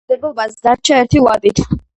ამ თანამდებობაზე დარჩა ერთი ვადით.